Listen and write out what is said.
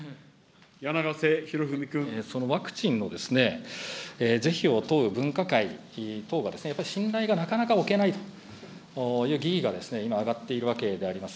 そのワクチンをですね、是非を問う分科会等がですね、やっぱり信頼がなかなかおけないという疑義が今あがっているわけであります。